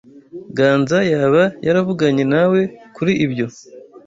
Ganza yaba yaravuganye nawe kuri ibyo?